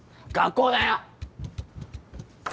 学校だよ！